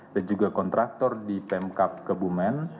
dan juga kontraktor di pemkap kebumen